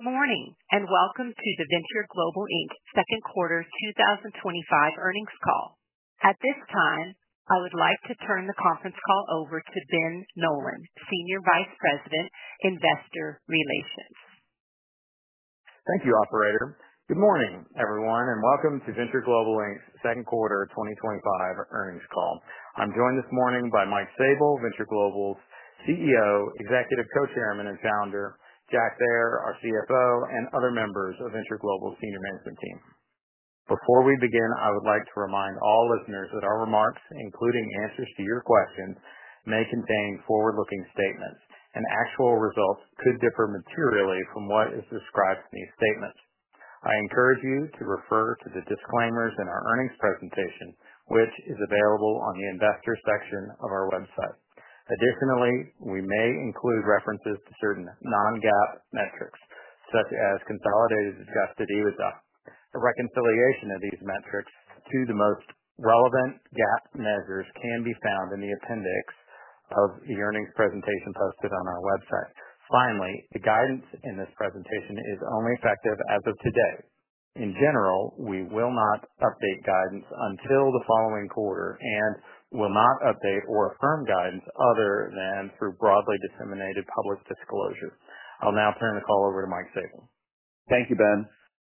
Good morning and welcome to the Venture Global Inc. second quarter 2025 earnings call. At this time, I would like to turn the conference call over to Ben Nolan, Senior Vice President, Investor Relations. Thank you, Operator. Good morning, everyone, and welcome to Venture Global Inc.'s second quarter 2025 earnings call. I'm joined this morning by Mike Sabel, Venture Global's CEO, Executive Co-Chairman and Founder, Jack Thayer, our CFO, and other members of Venture Global's senior management team. Before we begin, I would like to remind all listeners that our remarks, including answers to your questions, may contain forward-looking statements, and actual results could differ materially from what is described in these statements. I encourage you to refer to the disclaimers in our earnings presentation, which is available on the Investor section of our website. Additionally, we may include references to certain non-GAAP metrics, such as Consolidated Adjusted EBITDA. A reconciliation of these metrics to the most relevant GAAP measures can be found in the appendix of the earnings presentation posted on our website. Finally, the guidance in this presentation is only effective as of today. In general, we will not update guidance until the following quarter and will not update or affirm guidance other than through broadly disseminated public disclosure. I'll now turn the call over to Mike Sabel. Thank you, Ben.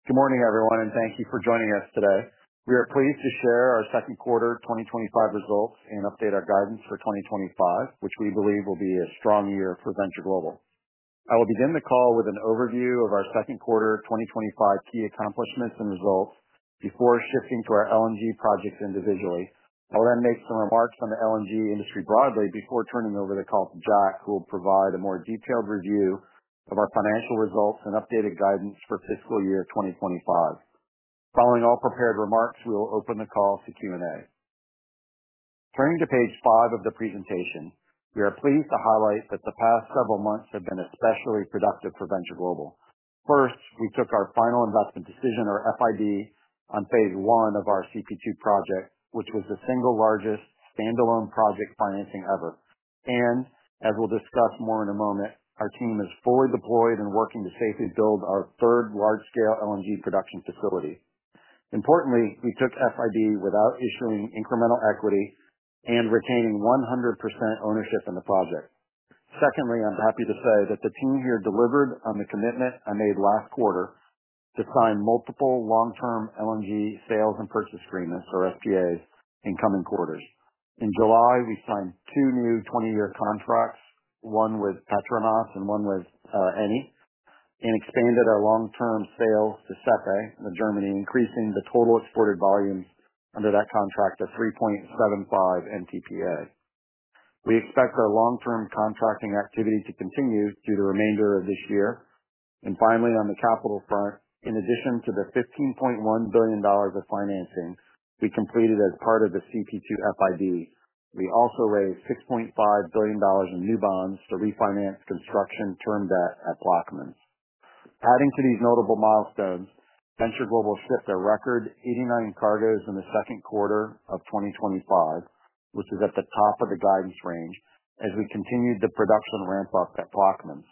Good morning, everyone, and thank you for joining us today. We are pleased to share our second quarter 2025 results and update our guidance for 2025, which we believe will be a strong year for Venture Global. I will begin the call with an overview of our second quarter 2025 key accomplishments and results before shifting to our LNG projects individually. I will then make some remarks on the LNG industry broadly before turning over the call to Jack, who will provide a more detailed review of our financial results and updated guidance for fiscal year 2025. Following all prepared remarks, we will open the call to Q&A. Turning to page five of the presentation, we are pleased to highlight that the past several months have been especially productive for Venture Global. First, we took our final investment decision, or FID, on phase one of our CP2 LNG project, which was the single largest standalone project financing ever. As we'll discuss more in a moment, our team is fully deployed and working to safely build our third large-scale LNG production facility. Importantly, we took FID without issuing incremental equity and retaining 100% ownership in the project. Secondly, I'm happy to say that the team here delivered on the commitment I made last quarter to sign multiple long-term LNG sales and purchase agreements, or SPAs, in coming quarters. In July, we signed two new 20-year contracts. One was PETRONAS and one was Eni and expanded our long-term sale to SEFE, Germany, increasing the total exported volumes under that contract to 3.75 per MTPA. We expect our long-term contracting activity to continue through the remainder of this year. Finally, on the capital front, in addition to the $15.1 billion of financing we completed as part of the CP2 FID, we also raised $6.5 billion in new bonds to refinance construction term debt at Plaquemines. Adding to these notable milestones, Venture Global shipped a record 89 LNG cargoes in the second quarter of 2025, which is at the top of the guidance range, as we continued the production ramp up at Plaquemines.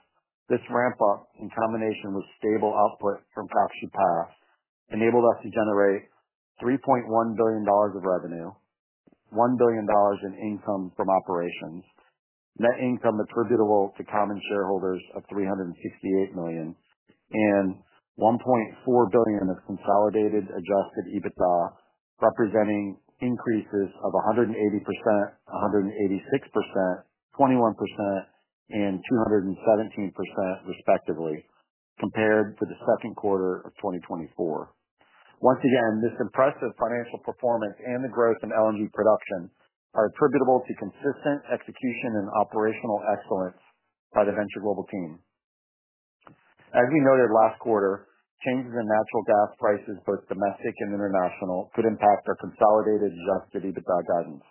This ramp up, in combination with stable output from Calcasieu Pass, enabled us to generate $3.1 billion of revenue, $1 billion in income from operations, net income attributable to common shareholders of $368 million, and $1.4 billion of Consolidated Adjusted EBITDA, representing increases of 180%, 186%, 21%, and 217% respectively, compared to the second quarter of 2024. Once again, this impressive financial performance and the growth in LNG production are attributable to consistent execution and operational excellence by the Venture Global team. As you noted last quarter, changes in natural gas prices, both domestic and international, could impact our Consolidated Adjusted EBITDA guidance.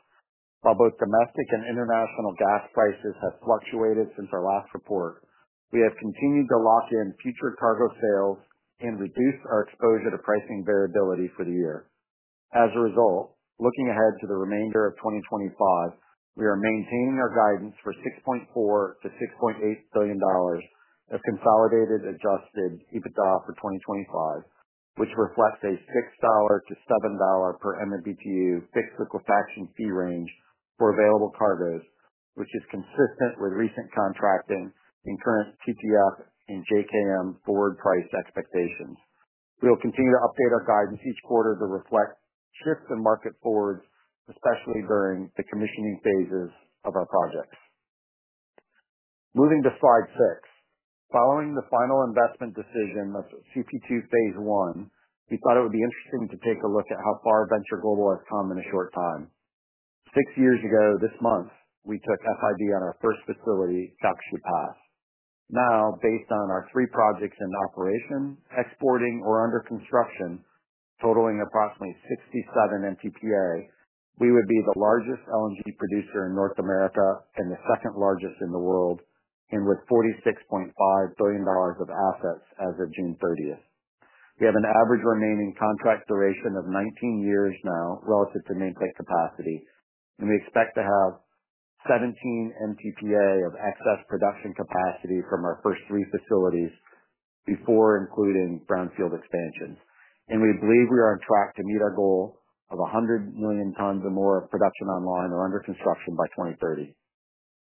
While both domestic and international gas prices have fluctuated since our last report, we have continued to lock in future cargo sales and reduce our exposure to pricing variability for the year. As a result, looking ahead to the remainder of 2025, we are maintaining our guidance for $6.4 billion-$6.8 billion of Consolidated Adjusted EBITDA for 2025, which reflects a $6-$7 per MMBtu fixed liquefaction fee range for available cargoes, which is consistent with recent contracting and current CP2 and JKM forward price expectations. We will continue to update our guidance each quarter to reflect shifts in market forwards, especially during the commissioning phases of our projects. Moving to slide six, following the final investment decision of CP2 phase one, we thought it would be interesting to take a look at how far Venture Global has come in a short time. Six years ago this month, we took FID on our first facility, Calcasieu Pass. Now, based on our three projects in operation, exporting, or under construction, totaling approximately 67 MTPA, we would be the largest LNG producer in North America and the second largest in the world, and with $46.5 billion of assets as of June 30. We have an average remaining contract duration of 19 years now relative to maintained capacity, and we expect to have 17 MTPA of excess production capacity from our first three facilities before including brownfield expansions. We believe we are on track to meet our goal of 100 million tons or more of production online or under construction by 2030.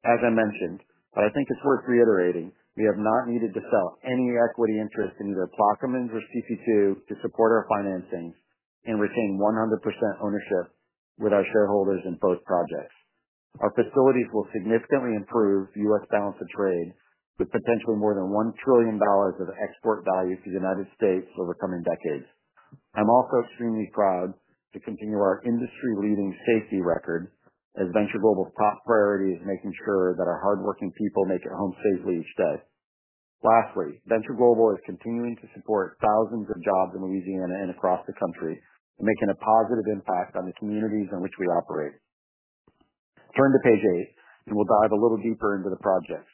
As I mentioned, but I think it's worth reiterating, we have not needed to sell any equity interest in either Plaquemines or CP2 to support our financings, and we're seeing 100% ownership with our shareholders in both projects. Our facilities will significantly improve U.S. balance of trade with potentially more than $1 trillion of export value to the United States over the coming decades. I'm also extremely proud to continue our industry-leading safety record as Venture Global's top priority is making sure that our hardworking people make it home safely each day. Lastly, Venture Global is continuing to support thousands of jobs in Louisiana and across the country, making a positive impact on the communities in which we operate. Turn to page eight, and we'll dive a little deeper into the projects.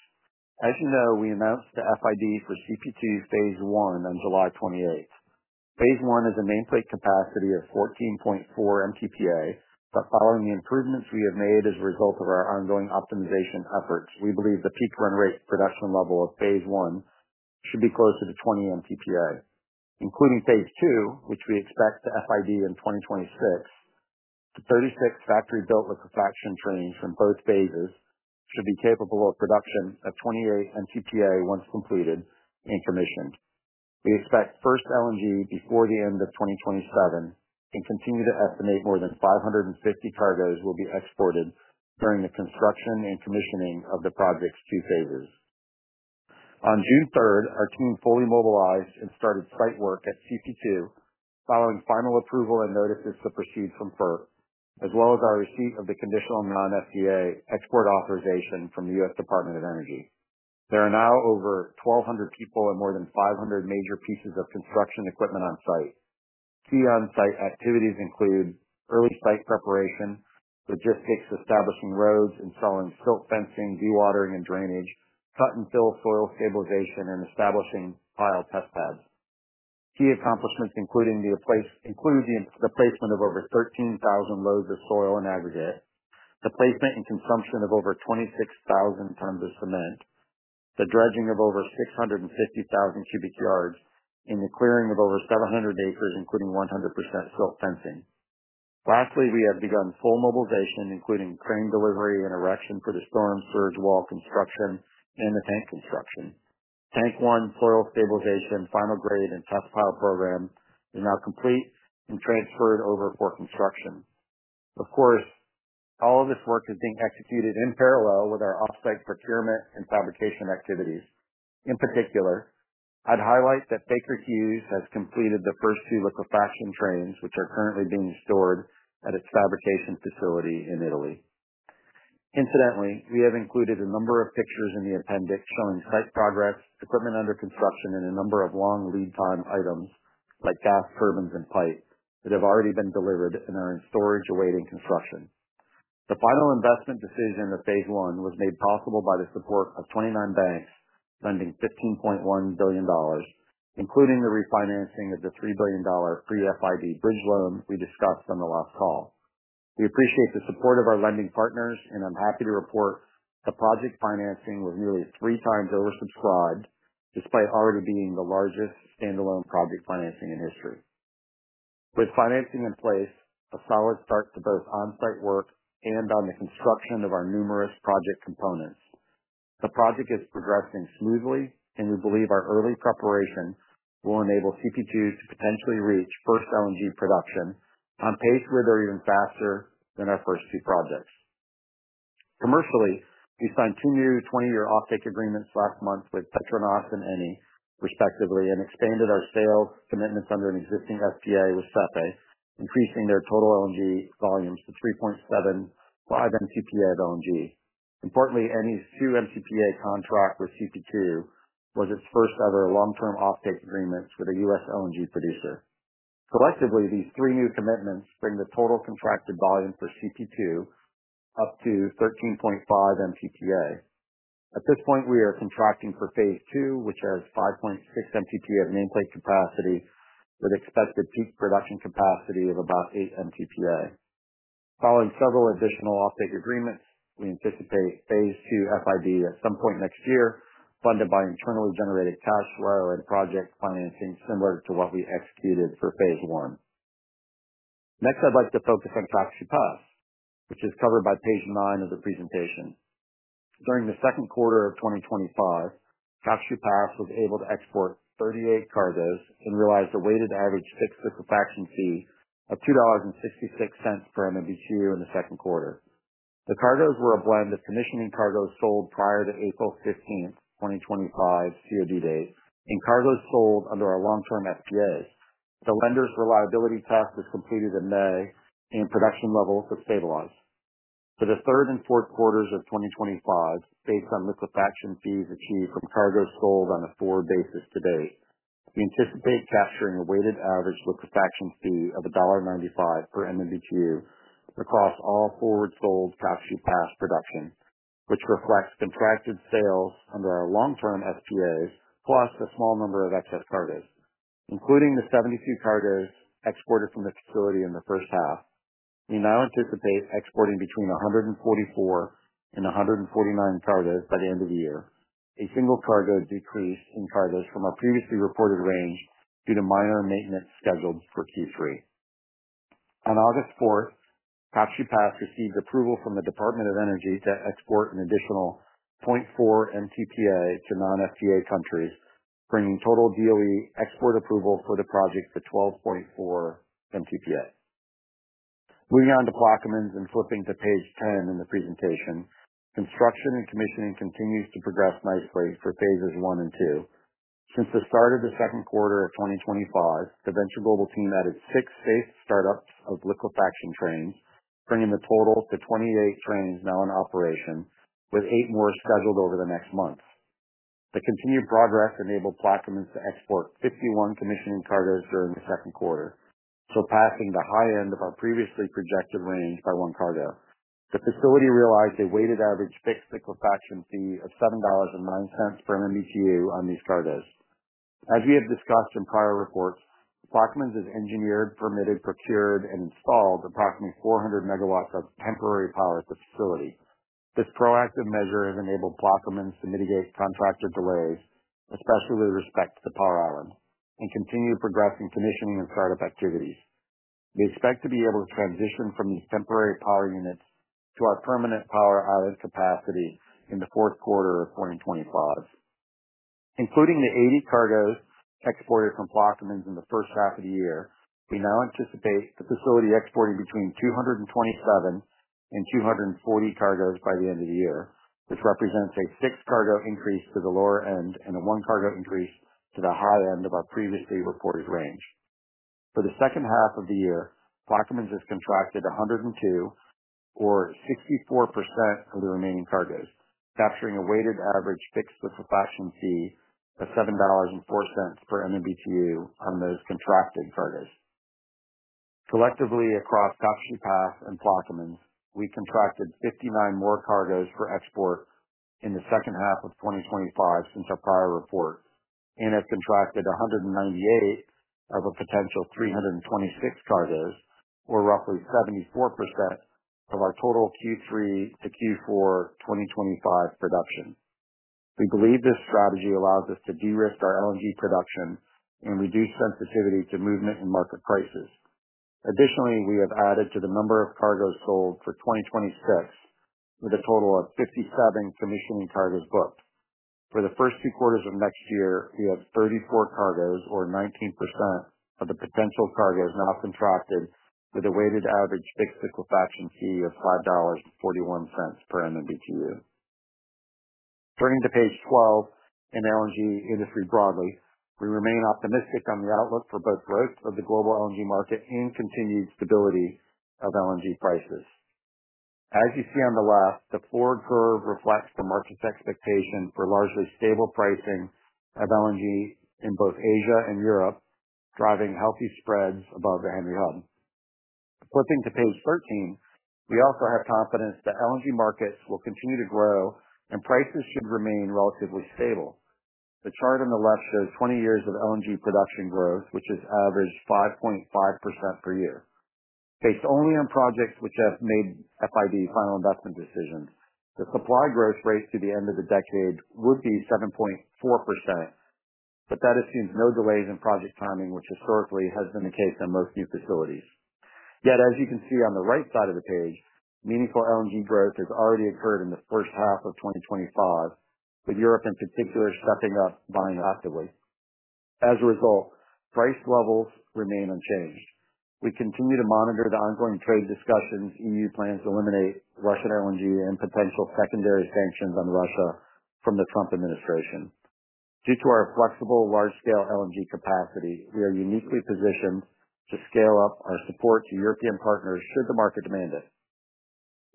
As you know, we announced FID for CP2 phase one on July 28th. Phase one has a nameplate capacity of 14.4 MTPA, but following the improvements we have made as a result of our ongoing optimization efforts, we believe the peak run rate production level of phase one should be closer to 20 MTPA. Including phase two, which we expect to FID in 2026, the 36 factory-built liquefaction trains from both phases should be capable of production at 28 MTPA once completed and commissioned. We expect first LNG before the end of 2027 and continue to estimate more than 550 cargoes will be exported during the construction and commissioning of the project's two phases. On June 3rd, our team fully mobilized and started site work at CP2 following final approval and notices to proceed from FERC, as well as our receipt of the conditional non-FTA export authorization from the U.S. Department of Energy. There are now over 1,200 people and more than 500 major pieces of construction equipment on site. Key on-site activities include early site preparation, logistics establishing roads and setting silt fencing, dewatering and drainage, cut and fill soil stabilization, and establishing pile test pads. Key accomplishments include the replacement of over 13,000 loads of soil and aggregate, the placement and consumption of over 26,000 tons of cement, the dredging of over 650,000 cubic yards, and the clearing of over 700 acres, including 100% silt fencing. Lastly, we have begun full mobilization, including crane delivery and erection for the storm surge wall construction and the tank construction. Tank one, soil stabilization, final grade, and test pile program is now complete and transferred over for construction. Of course, all of this work is being executed in parallel with our offsite procurement and fabrication activities. In particular, I'd highlight that Baker Hughes has completed the first two liquefaction trains, which are currently being stored at its fabrication facility in Italy. Incidentally, we have included a number of pictures in the appendix showing site progress, equipment under construction, and a number of long lead-time items like gas turbines and pipes that have already been delivered and are in storage awaiting construction. The final investment decision of phase one was made possible by the support of 29 banks lending $15.1 billion, including the refinancing of the $3 billion pre-FID bridge loan we discussed on the last call. We appreciate the support of our lending partners, and I'm happy to report the project financing was nearly three times oversubscribed despite already being the largest standalone project financing in history. With financing in place, a solid start to both on-site work and on the construction of our numerous project components. The project is progressing smoothly, and we believe our early preparation will enable CP2 to potentially reach first LNG production on pace or even faster than our first two projects. Commercially, we signed two new 20-year offtake agreements last month with PETRONAS and Eni respectively and expanded our sales commitments under an existing SPA with SEFE, increasing their total LNG volumes to 3.75 MTPA of LNG. Importantly, Eni's 2 MTPA contract with CP2 LNG was its first ever long-term offtake agreement for a U.S. LNG producer. Collectively, these three new commitments bring the total contracted volume for CP2 LNG up to 13.5 MTPA. At this point, we are contracting for phase two, which has 5.6 MTPA of nameplate capacity with expected peak production capacity of about 8 MTPA. Following several additional offtake agreements, we anticipate phase two FID at some point next year, funded by internally generated cash flow and project financing similar to what we executed for phase one. Next, I'd like to focus on Calcasieu Pass, which is covered by page nine of the presentation. During the second quarter of 2025, Calcasieu Pass was able to export 38 cargoes and realized a weighted average fixed liquefaction fee of $2.66 per MMBtu in the second quarter. The cargoes were a blend of commissioning cargoes sold prior to April 15, 2025, COD dates, and cargoes sold under our long-term SPAs. The lenders' reliability test was completed in May, and production levels have stabilized. For the third and fourth quarters of 2025, based on liquefaction fees achieved from cargoes sold on a forward basis to date, we anticipate capturing a weighted average liquefaction fee of $1.95 per MMBtu across all forward sold Plaquemines production, which reflects contracted sales under our long-term SPAs plus a small number of excess cargoes, including the 72 cargoes exported from the facility in the first half. We now anticipate exporting between 144 and 149 cargoes by the end of the year, a single cargo decrease in cargoes from our previously reported range due to minor maintenance scheduled for Q3. On August 4, Calcasieu Pass received approval from the Department of Energy to export an additional 0.4 MTPA to non-FTA countries, bringing total DOE export approval for the project to 12.4 MTPA. Moving on to Plaquemines and flipping to page 10 in the presentation, construction and commissioning continues to progress nicely for phases one and two. Since the start of the second quarter of 2025, the Venture Global team added six phased startups of liquefaction trains, bringing the total to 28 trains now in operation, with eight more scheduled over the next month. The continued progress enabled Plaquemines to export 51 commissioning cargoes during the second quarter, surpassing the high end of our previously projected range by one cargo. The facility realized a weighted average fixed liquefaction fee of $7.09 per MMBtu on these cargoes. As we have discussed in prior reports, Plaquemines has engineered, permitted, procured, and installed approximately 400 MW of temporary power at the facility. This proactive measure has enabled Plaquemines to mitigate contractor delays, especially with respect to the power island, and continue progressing commissioning and startup activities. We expect to be able to transition from these temporary power units to our permanent power island capacity in the fourth quarter of 2025. Including the 80 cargoes exported from Plaquemines in the first half of the year, we now anticipate the facility exporting between 227 and 240 cargoes by the end of the year, which represents a six-cargo increase to the lower end and a one-cargo increase to the high end of our previously reported range. For the second half of the year, Plaquemines has contracted 102 or 64% of the remaining cargoes, capturing a weighted average fixed liquefaction fee of $7.04 per MMBtu on those contracted cargoes. Collectively, across Calcasieu Pass and Plaquemines, we contracted 59 more cargoes for export in the second half of 2025 since our prior report and have contracted 198 of a potential 326 cargoes or roughly 74% of our total Q3 to Q4 2025 production. We believe this strategy allows us to de-risk our LNG production and reduce sensitivity to movement in market prices. Additionally, we have added to the number of cargoes sold for 2026, with a total of 57 commissioning cargoes booked. For the first two quarters of next year, we have 34 cargoes or 19% of the potential cargoes now contracted with a weighted average fixed liquefaction fee of $5.41 per MMBtu. Turning to page 12 in LNG industry broadly, we remain optimistic on the outlook for both growth of the global LNG market and continued stability of LNG prices. As you see on the left, the forward curve reflects the market's expectation for largely stable pricing of LNG in both Asia and Europe, driving healthy spreads above the Henry Hub. Flipping to page 13, we also have confidence that LNG markets will continue to grow and prices should remain relatively stable. The chart on the left shows 20 years of LNG production growth, which has averaged 5.5% per year. Based only on projects which have made final investment decisions, the supply growth rates to the end of the decade would be 7.4%. That assumes no delays in project timing, which historically has been the case in most new facilities. Yet, as you can see on the right side of the page, meaningful LNG growth has already occurred in the first half of 2025, with Europe in particular stepping up buying actively. As a result, price levels remain unchanged. We continue to monitor the ongoing trade discussions and plans to eliminate Russian LNG and potential secondary sanctions on Russia from the Trump administration. Due to our flexible large-scale LNG capacity, we are uniquely positioned to scale up our support to European partners should the market demand it.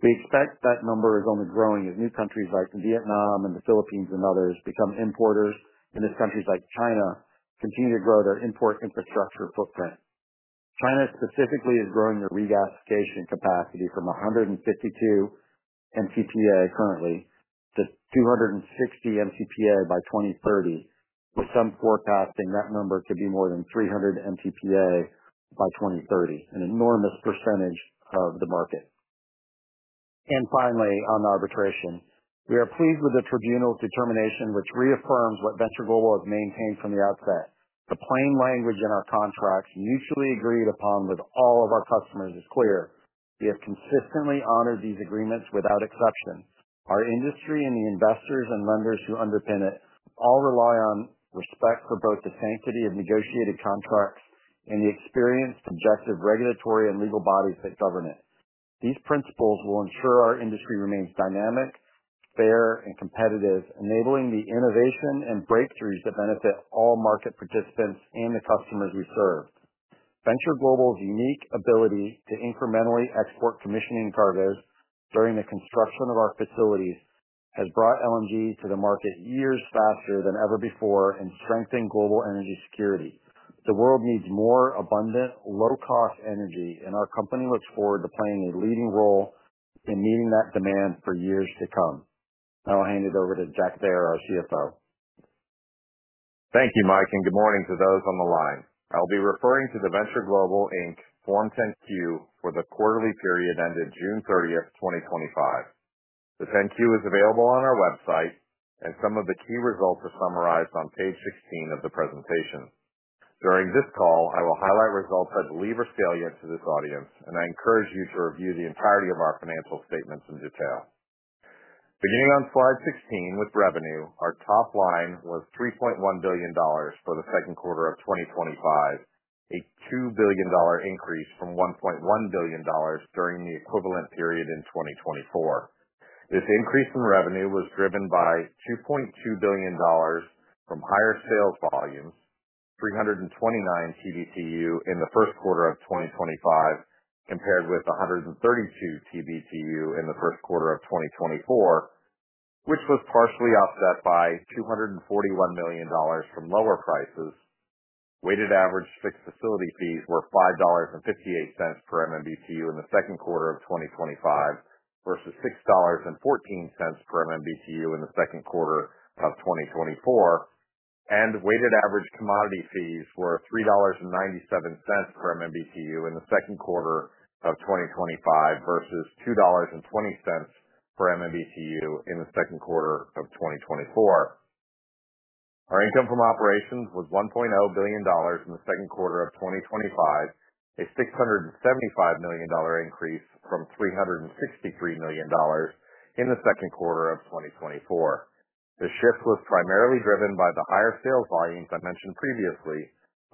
We expect that number is only growing as new countries like Vietnam and the Philippines and others become importers and as countries like China continue to grow their import infrastructure footprint. China specifically is growing their regasification capacity from 152 MTPA currently to 260 MTPA by 2030, with some forecasting that number could be more than 300 MTPA by 2030, an enormous percentage of the market. Finally, on the arbitration, we are pleased with the tribunal's determination, which reaffirms what Venture Global has maintained from the outset. The plain language in our contracts, mutually agreed upon with all of our customers, is clear. We have consistently honored these agreements without exception. Our industry and the investors and lenders who underpin it all rely on respect for both the sanctity of negotiated contracts and the experience from objective regulatory and legal bodies that govern it. These principles will ensure our industry remains dynamic, fair, and competitive, enabling the innovation and breakthroughs that benefit all market participants and the customers we serve. Venture Global's unique ability to incrementally export commissioning cargoes during the construction of our facilities has brought LNG to the market years faster than ever before and strengthened global energy security. The world needs more abundant, low-cost energy, and our company looks forward to playing a leading role in meeting that demand for years to come. Now I'll hand it over to Jack Thayer, our CFO. Thank you, Mike, and good morning to those on the line. I'll be referring to the Venture Global Inc. Form 10-Q for the quarterly period ended June 30, 2025. The 10-Q is available on our website, and some of the key results are summarized on page 16 of the presentation. During this call, I will highlight results I believe are salient to this audience, and I encourage you to review the entirety of our financial statements in detail. Beginning on slide 16 with revenue, our top line was $3.1 billion for the second quarter of 2025, a $2 billion increase from $1.1 billion during the equivalent period in 2024. This increase in revenue was driven by $2.2 billion from higher sales volumes, 329 TBtu in the second quarter of 2025, compared with 132 TBtu in the second quarter of 2024, which was partially offset by $241 million from lower prices. Weighted average fixed facility fees were $5.58 per MMBtu in the second quarter of 2025 versus $6.14 per MMBtu in the second quarter of 2024, and weighted average commodity fees were $3.97 per MMBtu in the second quarter of 2025 versus $2.20 per MMBtu in the second quarter of 2024. Our income from operations was $1.0 billion in the second quarter of 2025, a $675 million increase from $363 million in the second quarter of 2024. The shift was primarily driven by the higher sales volumes I mentioned previously,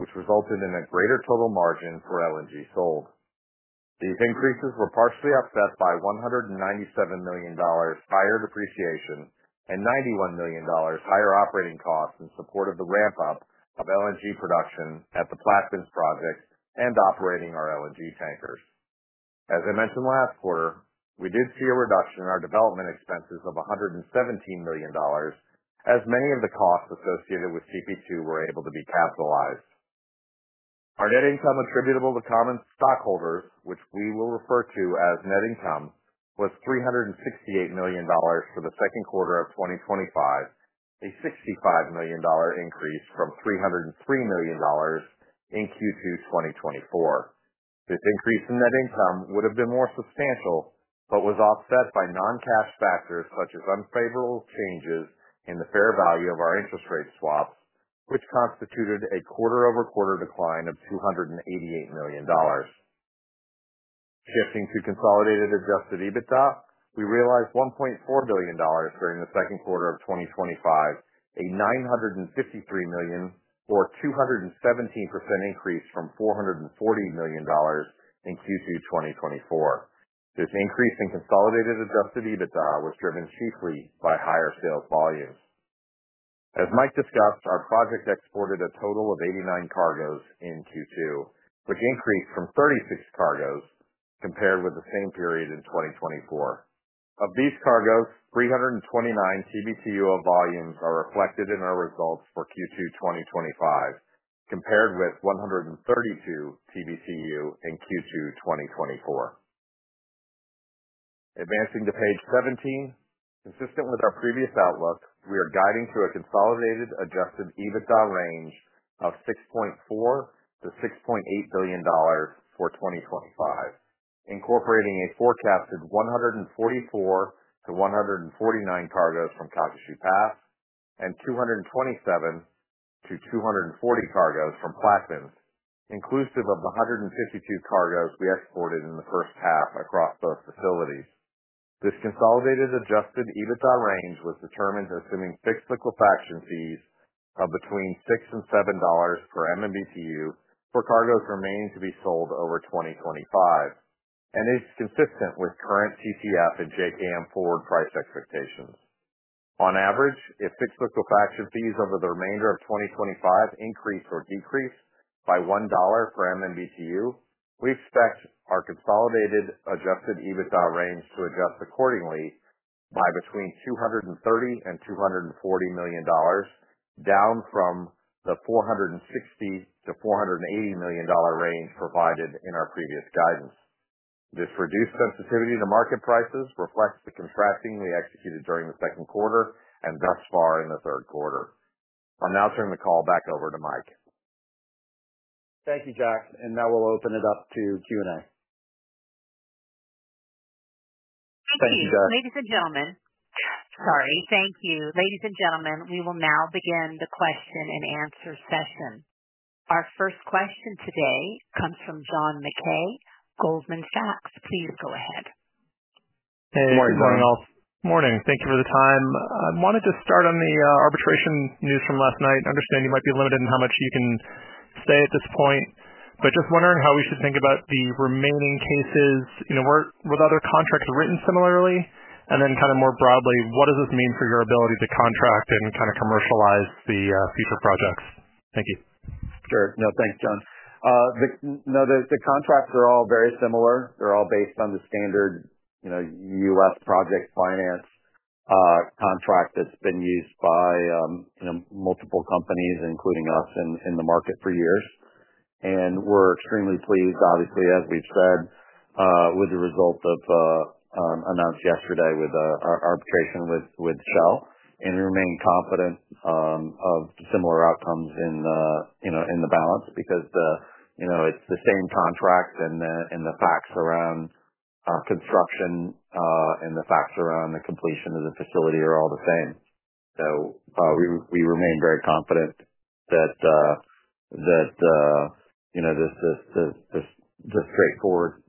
which resulted in a greater total margin for LNG sold. These increases were partially offset by $197 million higher depreciation and $91 million higher operating costs in support of the ramp-up of LNG production at the Plaquemines project and operating our LNG tankers. As I mentioned last quarter, we did see a reduction in our development expenses of $117 million, as many of the costs associated with CP2 were able to be capitalized. Our net income attributable to common stockholders, which we will refer to as net income, was $368 million for the second quarter of 2025, a $65 million increase from $303 million in Q2 2024. This increase in net income would have been more substantial but was offset by non-cash factors such as unfavorable changes in the fair value of our interest rate swaps, which constituted a quarter-over-quarter decline of $288 million. Shifting to Consolidated Adjusted EBITDA, we realized $1.4 billion during the second quarter of 2025, a $953 million or 217% increase from $440 million in Q2 2024. This increase in Consolidated Adjusted EBITDA was driven chiefly by higher sales volumes. As Mike discussed, our project exported a total of 89 LNG cargoes in Q2, which increased from 36 LNG cargoes compared with the same period in 2024. Of these LNG cargoes, 329 TBtu of volumes are reflected in our results for Q2 2025, compared with 132 TBtu in Q2 2024. Advancing to page 17, consistent with our previous outlook, we are guiding through a Consolidated Adjusted EBITDA range of $6.4 billion-$6.8 billion for 2025, incorporating a forecasted 144-149 cargoes from Calcasieu Pass and 227-240 cargoes from Plaquemines, inclusive of the 152 cargoes we exported in the first half across both facilities. This Consolidated Adjusted EBITDA range was determined assuming fixed liquefaction fees of between $6 and $7 per MMBtu for cargoes remaining to be sold over 2025, and it's consistent with current CCF and JKM forward price expectations. On average, if fixed liquefaction fees over the remainder of 2025 increase or decrease by $1 per MMBtu, we expect our Consolidated Adjusted EBITDA range to adjust accordingly by between $230 and $240 million, down from the $460 million-$480 million range provided in our previous guidance. This reduced sensitivity to market prices reflects the contracting we executed during the second quarter and thus far in the third quarter. I'll now turn the call back over to Mike. Thank you, Jack. Now we'll open it up to Q&A. Thank you. Ladies and gentlemen, we will now begin the question and answer session. Our first question today comes from John McKay, Goldman Sachs. Please go ahead. Hey, good morning, all. Morning. Thank you for the time. I wanted to start on the arbitration news from last night. I understand you might be limited in how much you can say at this point, but just wondering how we should think about the remaining cases. Were other contracts written similarly? More broadly, what does this mean for your ability to contract and commercialize the future projects? Thank you. Sure. No, thanks, John. The contracts are all very similar. They're all based on the standard, you know, U.S. project finance contract that's been used by, you know, multiple companies, including us, in the market for years. We're extremely pleased, obviously, as we've said, with the result that was announced yesterday with our arbitration with Shell, and we remain confident of similar outcomes in the balance because, you know, it's the same contracts and the facts around construction and the facts around the completion of the facility are all the same. We remain very confident that, you know, this is just straightforward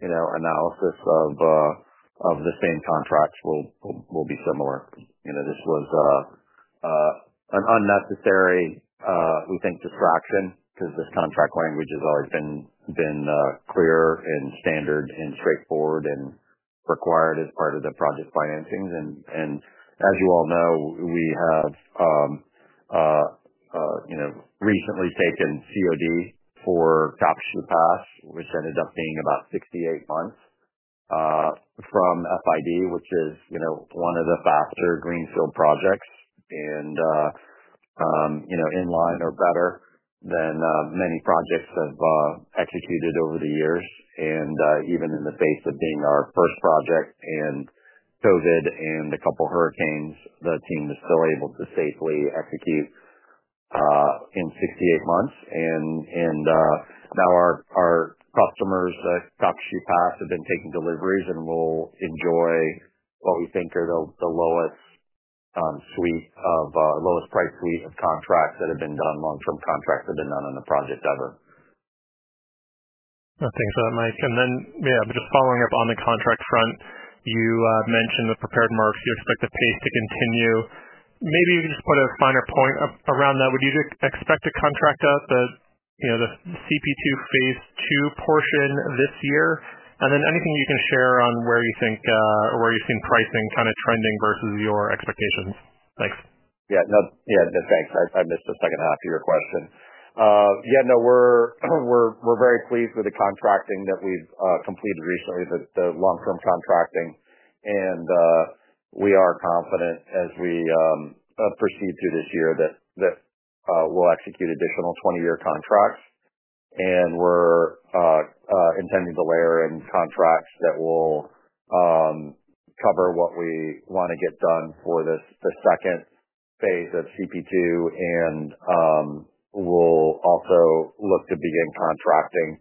analysis of the same contracts and will be similar. This was an unnecessary, we think, distraction because this contract language has always been clear and standard and straightforward and required as part of the project financings. As you all know, we have recently taken COD for Calcasieu Pass, which ended up being about 68 months from FID, which is, you know, one of the faster greenfield projects and in line or better than many projects have executed over the years. Even in the face of being our first project in COVID and a couple of hurricanes, the team is still able to safely execute in 68 months. Now our customers that stopped at Calcasieu Pass have been taking deliveries and will enjoy what we think are the lowest price suite of contracts that have been done, long-term contracts that have been done on the project ever. Thanks a lot, Mike. Yeah, I'm just following up on the contract front. You mentioned in the prepared marks you expect the pace to continue. Maybe you can just put a finer point around that. Would you expect to contract out the CP2 LNG phase two portion this year? Anything you can share on where you think, or where you've seen pricing kind of trending versus your expectations? Thanks. Yeah, thanks. I missed the second half of your question. We're very pleased with the contracting that we've completed recently, the long-term contracting. We are confident as we proceed through this year that we'll execute additional 20-year contracts. We're intending to layer in contracts that will cover what we want to get done for the second phase of CP2. We'll also look to begin contracting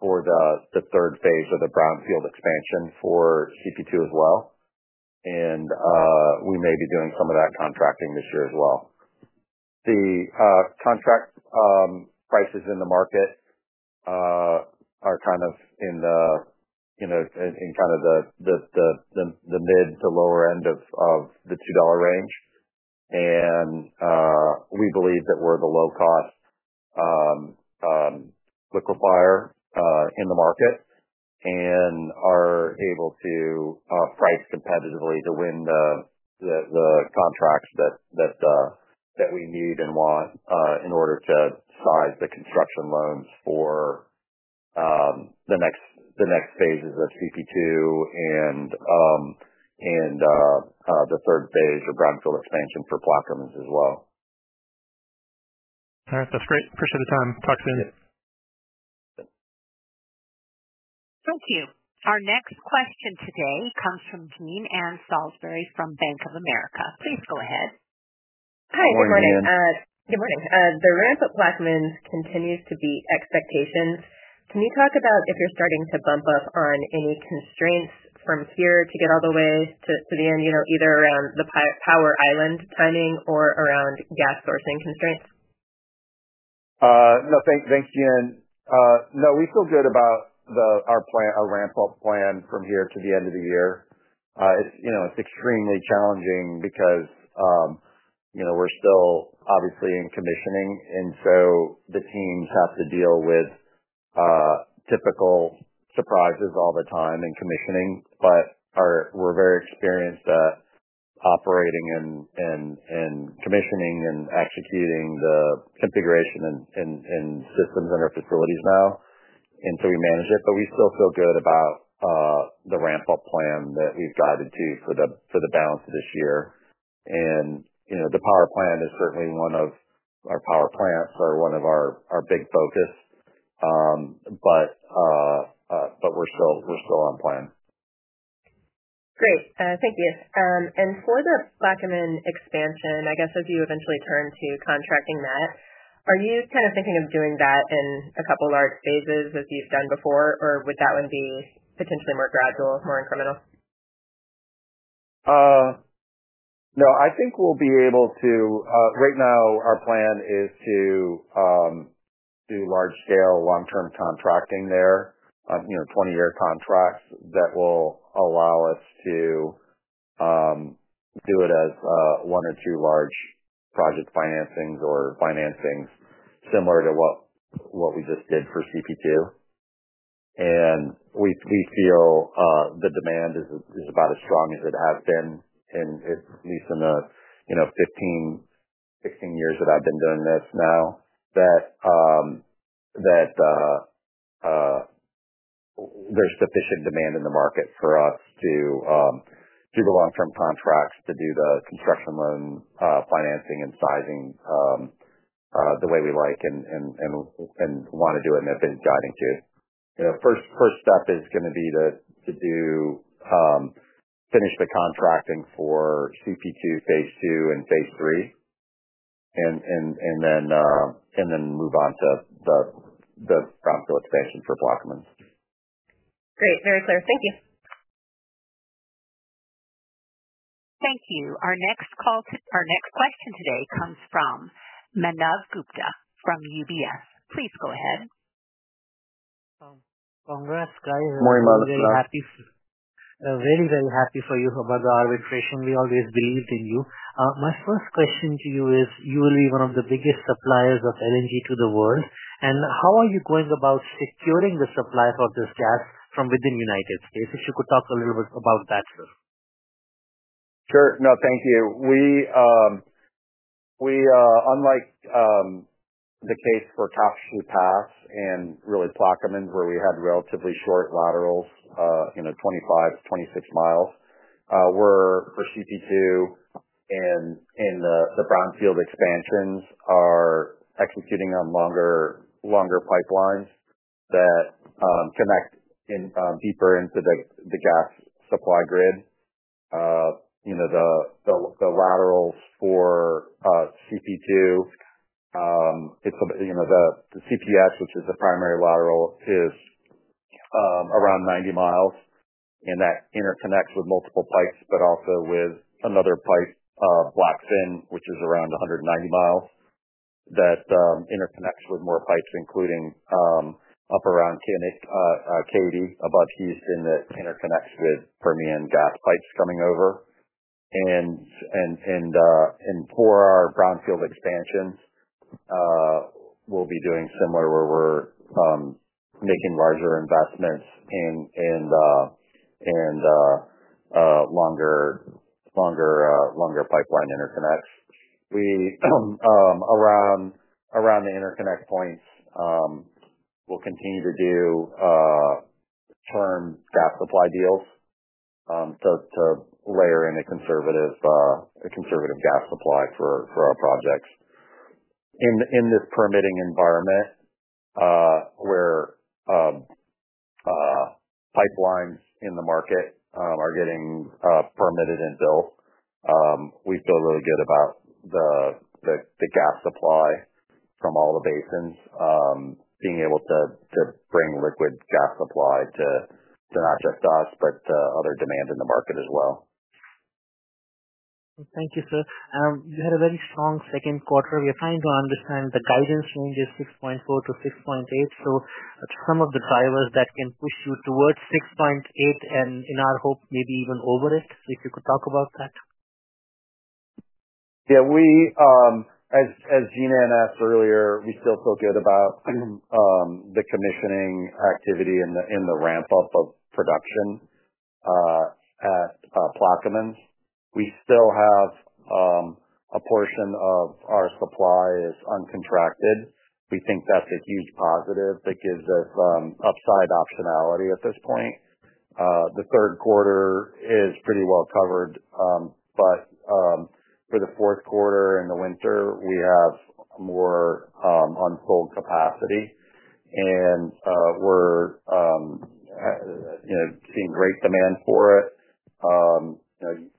for the third phase of the brownfield expansion for CP2 as well. We may be doing some of that contracting this year as well. The contract prices in the market are kind of in the mid to lower end of the $2 range. We believe that we're the low-cost liquefier in the market and are able to price competitively to win the contracts that we need and want in order to size the construction loans for the next phases of CP2 and the third phase or brownfield expansion for Plaquemines as well. All right. That's great. Appreciate the time. Talk soon. Thank you. Our next question today comes from Jean Ann Salisbury from Bank of America. Please go ahead. Hi. Good morning. Good morning. The ramp-up placements continue to be expectations. Can you talk about if you're starting to bump up on any constraints from here to get all the way to the end, you know, either around the power island timing or around gas sourcing constraints? No, thanks, Jean. No, we feel good about our ramp-up plan from here to the end of the year. It's extremely challenging because, you know, we're still obviously in commissioning, and so the teams have to deal with typical surprises all the time in commissioning. We're very experienced at operating and commissioning and executing the configuration and systems in our facilities now, and so we manage it. We still feel good about the ramp-up plan that we've guided to for the balance of this year. The power plant is certainly one of our big focus areas, but we're still on plan. Great. Thank you. For the Plaquemines expansion, I guess as you eventually turn to contracting that, are you kind of thinking of doing that in a couple of large phases as you've done before, or would that one be potentially more gradual, more incremental? No, I think we'll be able to. Right now, our plan is to do large-scale long-term contracting there, you know, 20-year contracts that will allow us to do it as one or two large project financings or financings similar to what we just did for CP2. We feel the demand is about as strong as it has been, at least in the 15, 16 years that I've been doing this now, that there's sufficient demand in the market for us to do the long-term contracts to do the construction loan, financing and sizing the way we like and want to do it and have been guiding to. The first step is going to be to finish the contracting for CP2 phase two and phase three, and then move on to the brownfield expansion for Plaquemines. Great. Very clear. Thank you. Thank you. Our next question today comes from Manav Gupta from UBS. Please go ahead. Congrats, guys. Morning, Manav. I'm very happy. Very, very happy for you about the arbitration. We always believed in you. My first question to you is, you are one of the biggest suppliers of LNG to the world. How are you going about securing the supply for this gas from within the United States? If you could talk a little bit about that, sir. Sure. No, thank you. Unlike the case for Calcasieu Pass, Plaquemines, where we had relatively short laterals, you know, 25-26 miles, for CP2 and in the brownfield expansions, we are executing on longer pipelines that connect deeper into the gas supply grid. The laterals for CP2, the CPS, which is the primary lateral, is around 90 mi, and that interconnects with multiple pipes, but also with another pipe, Blackfin, which is around 190 mi. That interconnects with more pipes, including up around KUD above Houston that interconnects with Permian gas pipes coming over. For our brownfield expansions, we'll be doing similar, where we're making larger investments in longer pipeline interconnects. Around the interconnect points, we'll continue to do firm gas supply deals to layer in a conservative gas supply for our projects. In this permitting environment, where pipelines in the market are getting permitted and built, we feel really good about the gas supply from all the basins being able to bring liquid gas supply to not just us, but to other demand in the market as well. Thank you, sir. You had a very strong second quarter. We are trying to understand the guidance range is 6.4-6.8. Some of the drivers that can push you towards 6.8 and in our hope, maybe even over it, if you could talk about that. Yeah, we, as Jean Ann asked earlier, we still feel good about the commissioning activity and the ramp-up of production at Plaquemines. We still have a portion of our supply uncontracted. We think that's a huge positive that gives us upside optionality at this point. The third quarter is pretty well covered, but for the fourth quarter and the winter, we have more unfilled capacity. We're seeing great demand for it.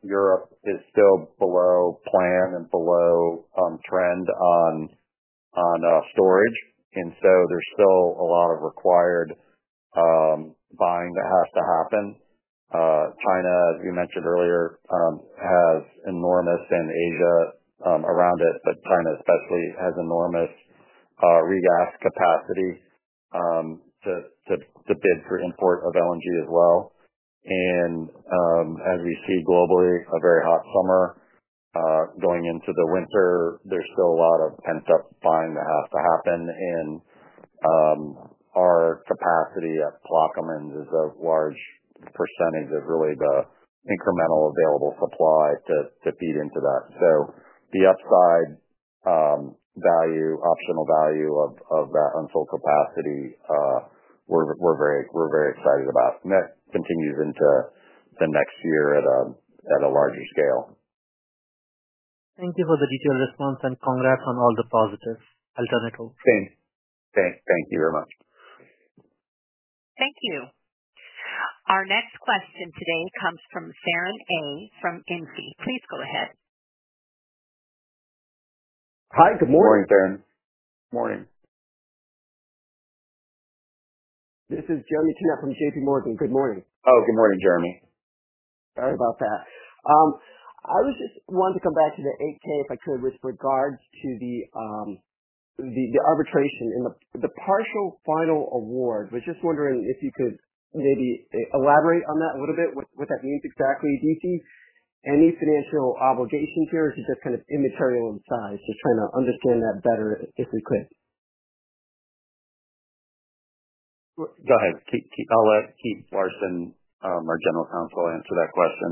Europe is still below plan and below trend on storage, so there's still a lot of required buying that has to happen. China, as we mentioned earlier, has enormous, and Asia around it, but China especially has enormous regas capacity to bid for import of LNG as well. As we see globally, a very hot summer going into the winter, there's still a lot of pent-up buying that has to happen. Our capacity at Plaquemines is a large percentage of really the incremental available supply to feed into that. The upside value, optional value of that unfilled capacity, we're very excited about. That continues into the next year at a larger scale. Thank you for the detailed response, and congrats on all the positive alternatives. Thank you. Thank you very much. Thank you. Our next question today comes from Sarah Ng from Infi. Please go ahead. Hi. Good morning. Morning. This is Jeremy Tonet from JPMorgan. Good morning. Oh, good morning, Jeremy. Sorry about that. I was just wanting to come back to the 84th, I told with regards to the arbitration and the partial final award. I was just wondering if you could maybe elaborate on that a little bit, what that means exactly. Do you see any financial obligations here, or is it just kind of immaterial inside? Just trying to understand that better if we could. Go ahead. I'll let Keith Larson, our General Counsel, answer that question.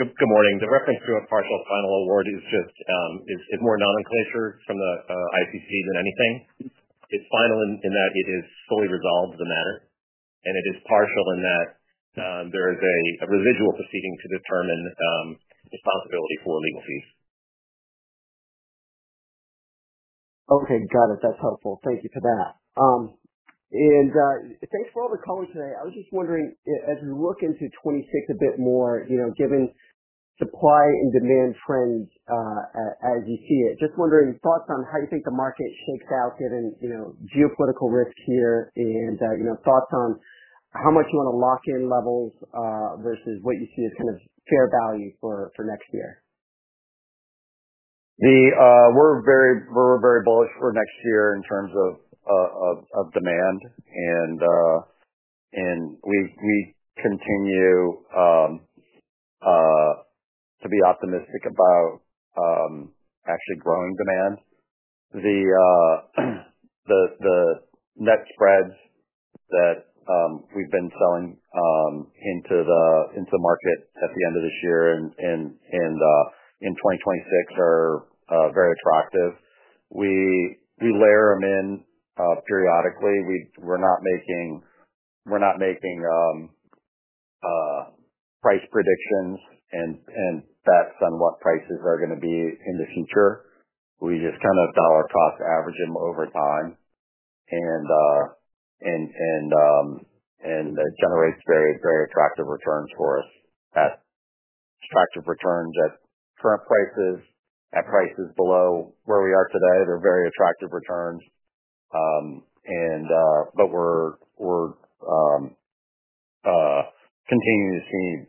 Good morning. The reference to a partial final award is just more nomenclature from the ICC than anything. It's final in that it has fully resolved the matter, and it is partial in that there is a residual proceeding to determine the possibility for legal fees. Okay. Got it. That's helpful. Thank you for that, and thanks for all the calling today. I was just wondering, as we look into 2026 a bit more, given supply and demand trends as you see it, just wondering thoughts on how you think the market shakes out given geopolitical risks here and thoughts on how much you want to lock in levels versus what you see as kind of fair value for next year. We're very bullish for next year in terms of demand, and we continue to be optimistic about actually growing demand. The net spreads that we've been selling into the market at the end of this year and in 2026 are very attractive. We layer them in periodically. We're not making price predictions and bets on what prices are going to be in the future. We just kind of dollar-talk average them over time, and it generates very, very attractive returns for us. Attractive returns at current prices, at prices below where we are today, they're very attractive returns. We're continuing to see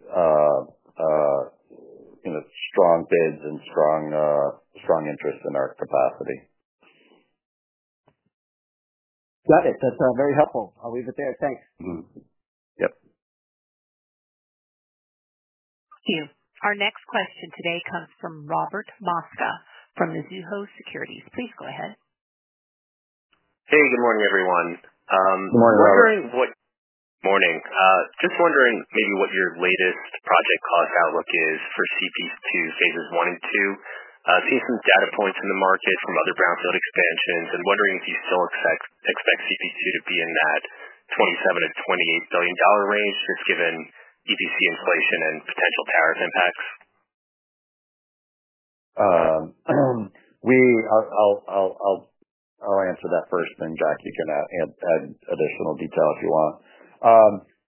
strong bids and strong interest in our capacity. Got it. That's very helpful. I'll leave it there. Thanks. Yes. Thank you. Our next question today comes from Robert Mosca from Mizuho. Please go ahead. Hey, good morning, everyone. Good morning, Robert. I'm wondering what your latest project cost outlook is for CP2 phases one and two. I've seen some data points in the market from other brownfield expansions and wondering if you still expect CP2 to be in that $27 billion-$28 billion range just given EPC inflation and potential tariff impacts. I'll answer that first, then Jack, you can add additional detail if you want.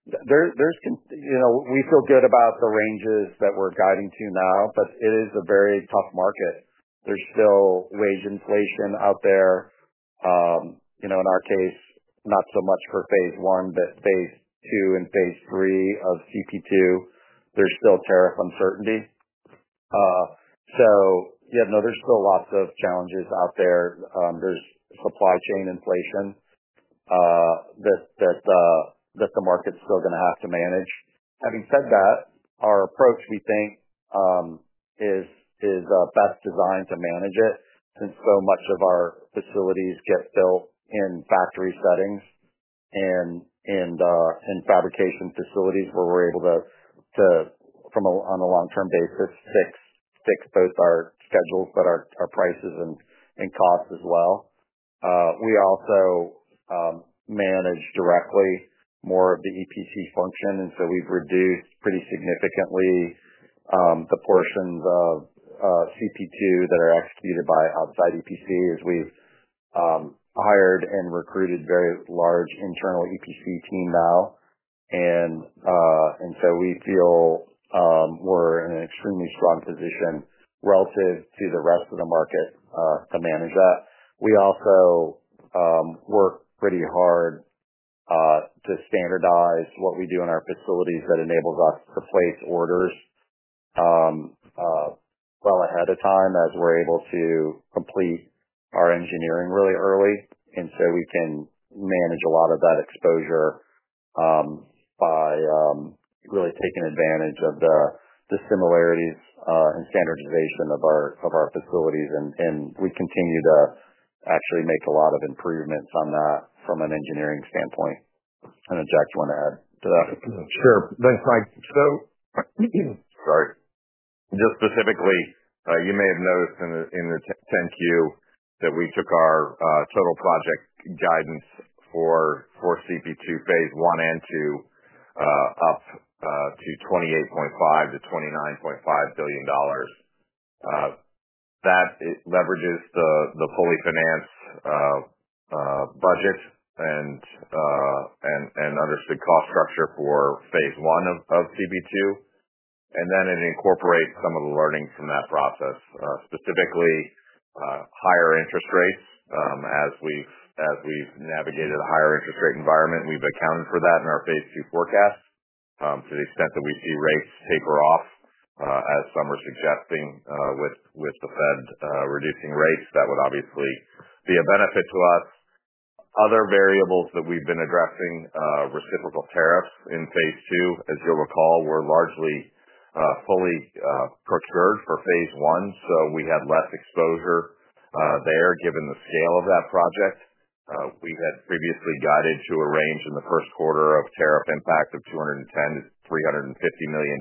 We feel good about the ranges that we're guiding to now, but it is a very tough market. There's still wage inflation out there. In our case, not so much for phase one, but phase two and phase three of CP2. There's still tariff uncertainty. There's still lots of challenges out there. There's supply chain inflation that the market's still going to have to manage. Having said that, our approach, we think, is best designed to manage it since so much of our facilities get built in factory settings and in fabrication facilities where we're able to, from a long-term basis, fix both our schedules, but our prices and costs as well. We also manage directly more of the EPC function. We've reduced pretty significantly the portions of CP2 that are executed by outside EPC as we've hired and recruited a very large internal EPC team now. We feel we're in an extremely strong position relative to the rest of the market to manage that. We also work pretty hard to standardize what we do in our facilities. That enables us to place orders well ahead of time as we're able to complete our engineering really early. We can manage a lot of that exposure by really taking advantage of the similarities and standardization of our facilities. We continue to actually make a lot of improvements on that from an engineering standpoint. I don't know if Jack wanted to add to that. Sure. Thanks, Mike. Sorry. Just specifically, you may have noticed in the 10-Q that we took our total project guidance for CP2 phase one and two up to $28.5-$29.5 billion. That leverages the fully financed budget and understood cost structure for phase one of CP2, and then incorporates some of the learnings from that process, specifically higher interest rates. As we've navigated a higher interest rate environment, we've accounted for that in our phase two forecast. To the extent that we see rates taper off, as summers are adjusting with the Fed reducing rates, that would obviously be a benefit to us. Other variables that we've been addressing, reciprocal tariffs in phase two, as you'll recall, were largely fully prospered for phase one, so we had less exposure there given the scale of that project. We've had previously guided to a range in the first quarter of tariff impact of $210 million-$350 million.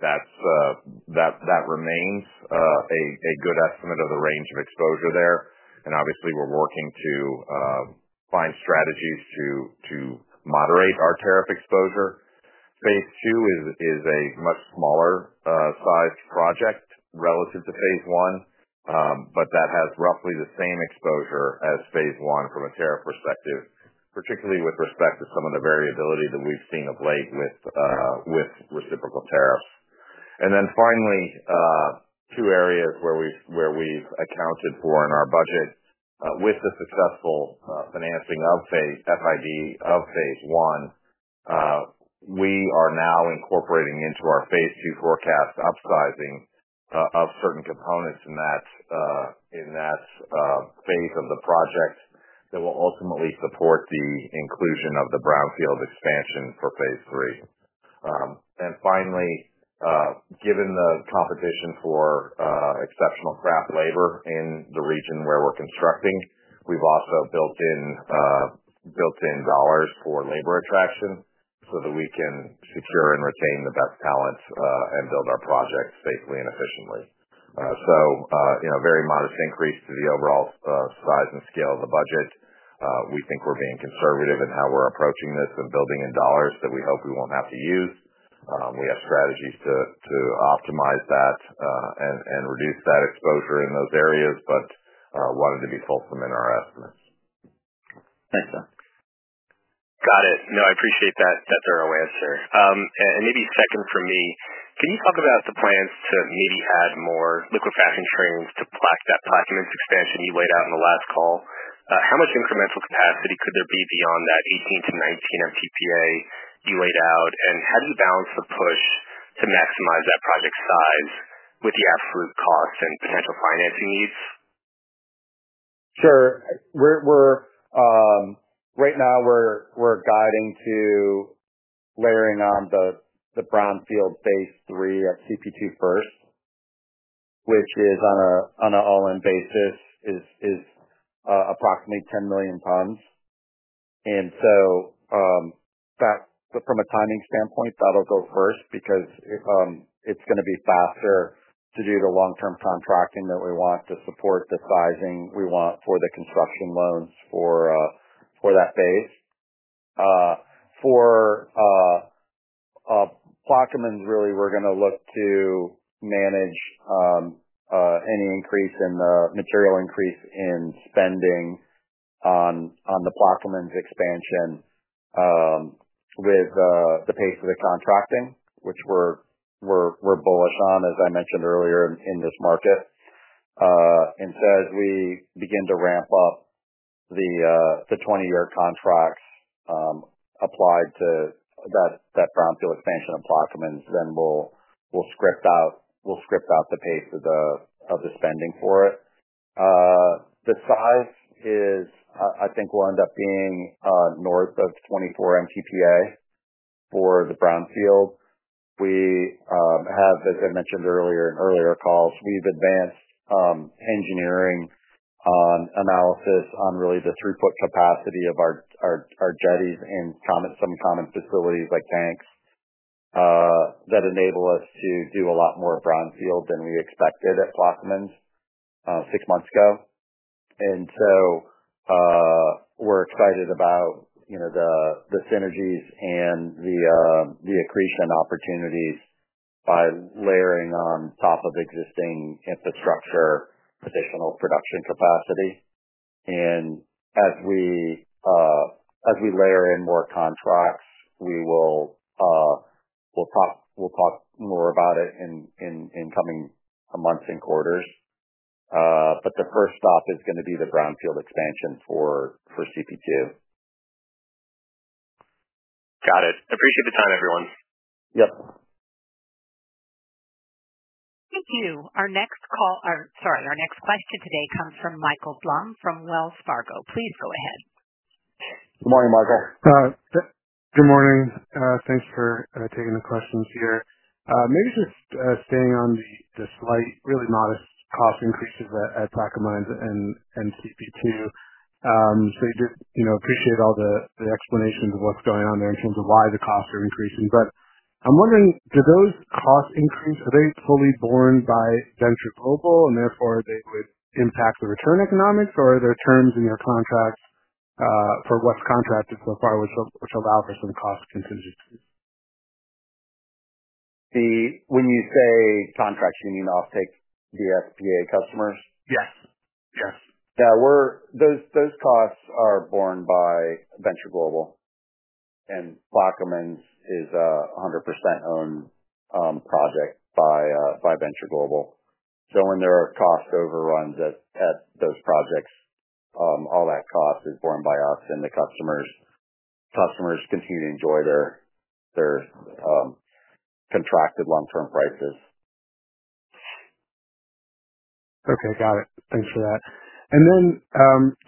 That remains a good estimate of the range of exposure there. Obviously, we're working to find strategies to moderate our tariff exposure. Phase two is a much smaller sized project relative to phase one, but that has roughly the same exposure as phase one from a tariff perspective, particularly with respect to some of the variability that we've seen of late with reciprocal tariffs. Finally, two areas where we've accounted for in our budget: with the successful financing of FID of phase one, we are now incorporating into our phase two forecast upsizing of certain components in that phase of the project that will ultimately support the inclusion of the brownfield expansion for phase three. Finally, given the competition for exceptional craft labor in the region where we're constructing, we've also built in dollars for labor attraction so that we can secure and retain the best talents and build our projects basically efficiently. A very modest increase to the overall size and scale of the budget. We think we're being conservative in how we're approaching this and building in dollars that we hope we won't have to use. We have strategies to optimize that and reduce that exposure in those areas, but wanted to be fulsome in our estimates. Excellent. Got it. No, I appreciate that thorough answer. Maybe second for me, can you talk about the plans to maybe add more liquefaction trains to that Plaquemines expansion you laid out in the last call? How much incremental capacity could there be beyond that 18-19 MTPA you laid out? How do you balance the push to maximize that project size with the absolute costs and potential financing needs? Sure. Right now, we're guiding to layering on the brownfield phase three of CP2 first, which is, on an all-in basis, approximately $10 million. From a timing standpoint, that'll go first because it's going to be faster to do the long-term contracting that we want to support the sizing we want for the construction loans for that phase. For Plaquemines, we're going to look to manage any material increase in spending on the Plaquemines expansion with the pace of the contracting, which we're bullish on, as I mentioned earlier in this market. As we begin to ramp up the 20-year contracts applied to that brownfield expansion of Plaquemines, we'll script out the pace of the spending for it. The size, I think, will end up being north of 24 MTPA for the brownfield. As I mentioned earlier in earlier calls, we've advanced engineering analysis on really the throughput capacity of our jetties and some common facilities like tanks that enable us to do a lot more brownfield than we expected at Plaquemines six months ago. We're excited about the synergies and the accretion opportunities by layering on top of existing infrastructure additional production capacity. As we layer in more contracts, we'll talk more about it in coming months and quarters. The first stop is going to be the brownfield expansion for CP2. Got it. Appreciate the time, everyone. Yep. Thank you. Our next question today comes from Michael Blum from Wells Fargo. Please go ahead. Good morning, Michael. Good morning. Thanks for taking the questions here. Maybe just staying on the slight, really modest cost increases at Plaquemines and CP2. I appreciate all the explanations of what's going on there in terms of why the costs are increasing. I'm wondering, do those cost increases, are they fully borne by Venture Global, and therefore they would impact the return economics, or are there terms in your contract for what's contracted so far which allow for some cost contingency? When you say contracts, you mean I'll take SPA customers? Yes. Yes. Yeah. Those costs are borne by Venture Global. Plaquemines is a 100% owned project by Venture Global. When there are cost overruns at those projects, all that cost is borne by us and the customers. Customers continue to enjoy their contracted long-term prices. Okay. Got it. Thanks for that.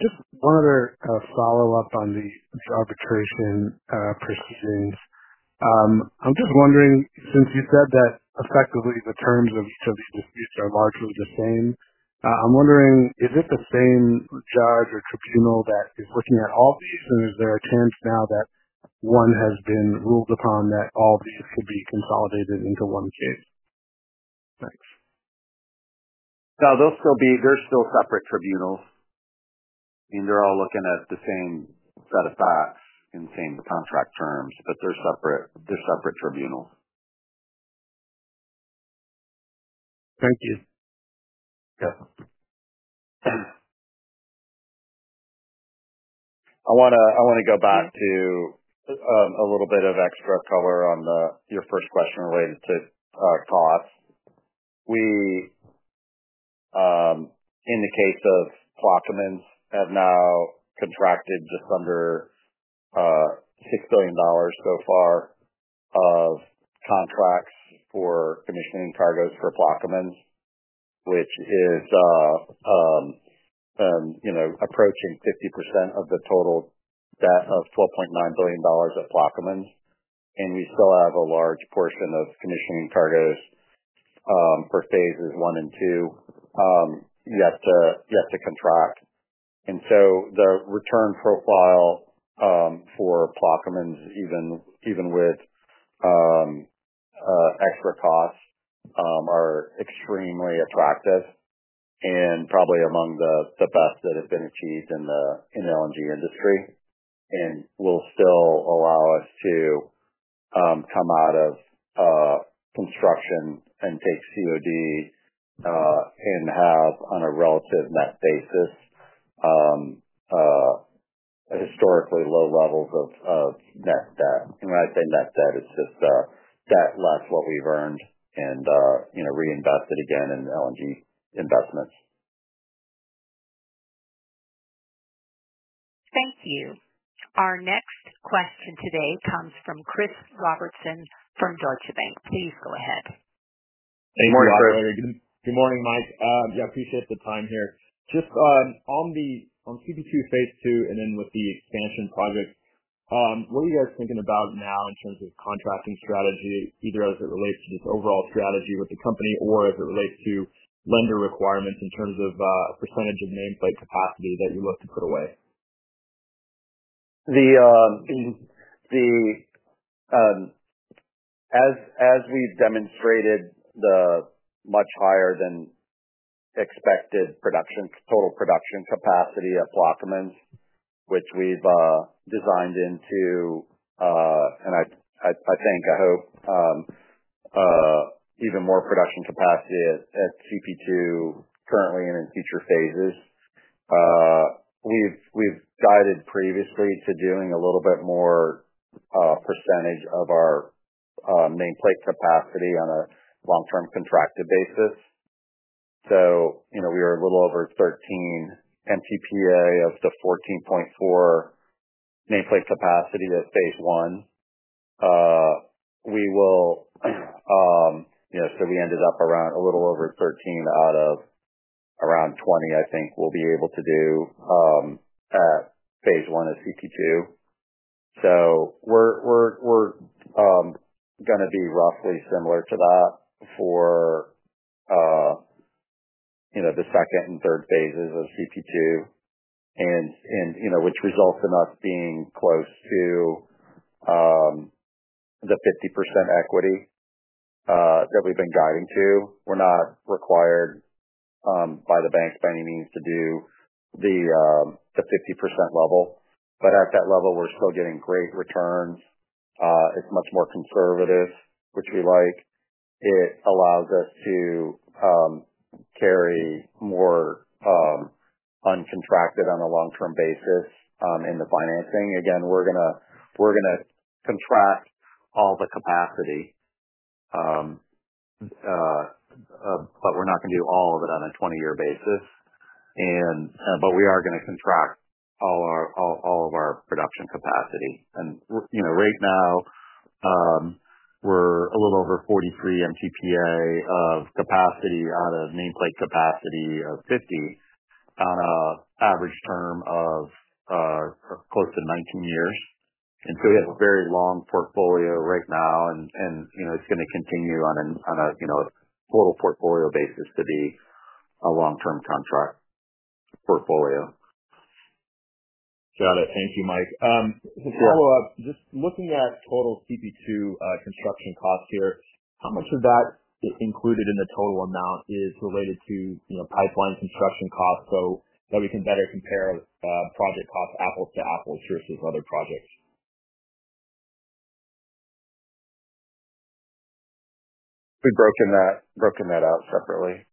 Just one other follow-up on the arbitration proceedings. I'm just wondering, since you said that effectively the terms of subsequent fees are largely the same, is it the same judge or tribunal that is looking at all fees, and is there a chance now that one has been ruled upon that all fees will be consolidated into one case? Thanks. No, they're still separate tribunals. I mean, they're all looking at the same set of facts and the same contract terms, but they're separate tribunals. Thank you. I want to go back to a little bit of extra color on your first question related to costs. We, in the case of Plaquemines, have now contracted just under $6 billion so far of contracts for commissioning cargoes for Plaquemines, which is, you know, approaching 50% of the total debt of $12.9 billion at Plaquemines. We still have a large portion of commissioning cargoes for phases one and two yet to contract. The return profile for Plaquemines, even with extra costs, is extremely attractive and probably among the best that have been achieved in the LNG industry and will still allow us to come out of construction and take COD, and have on a relative net basis, historically low levels of net debt. When I say net debt, it's just debt left after what we've earned and, you know, reinvested again in LNG investments. Thank you. Our next question today comes from Chris Robertson from Deutsche Bank. Please go ahead. Hey, good morning, Robert. Good morning, Mike. Yeah, I appreciate the time here. Chris, on the CP2 phase two and then with the expansion project, what are you guys thinking about now in terms of contracting strategy, either as it relates to this overall strategy with the company or as it relates to lender requirements in terms of a percentage of nameplate capacity that you look to put away? As we demonstrated the much higher than expected production, total production capacity at Plaquemines, which we've designed into, and I think, I hope, even more production capacity at CP2 currently and in future phases. We've guided previously to doing a little bit more, percentage of our nameplate capacity on a long-term contracted basis. You know, we are a little over 13 MTPA of the 14.4 nameplate capacity at phase one. We will, you know, so we ended up around a little over 13 out of around 20, I think, we'll be able to do at phase one of CP2. We're going to be roughly similar to that for the second and third phases of CP2, which results in us being close to the 50% equity that we've been guiding to. We're not required by the banks by any means to do the 50% level. At that level, we're still getting great returns. It's much more conservative, which we like. It allows us to carry more uncontracted on a long-term basis in the financing. Again, we're going to contract all the capacity, but we're not going to do all of it on a 20-year basis. We are going to contract all our production capacity. Right now, we're a little over 43 MTPA of capacity out of nameplate capacity of 50 on an average term of close to 19 years. We have a very long portfolio right now, and it's going to continue on a total portfolio basis to be a long-term contract portfolio. Got it. Thank you, Mike. To follow up, just looking at total CP2 construction costs here, how much of that included in the total amount is related to, you know, pipeline construction costs so that we can better compare project costs apples to apples versus other projects? We've broken that out separately.